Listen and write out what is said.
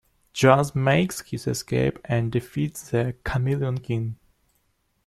Jazz makes his escape and defeats the Chameleon King.